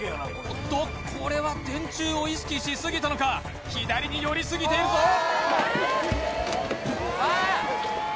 おっとこれは電柱を意識しすぎたのか左に寄りすぎているぞ